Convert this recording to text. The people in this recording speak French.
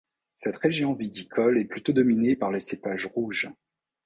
Cette région viticole est plutôt dominée par les cépages rouges.